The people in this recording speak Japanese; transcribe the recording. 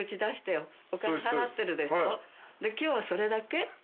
で今日はそれだけ？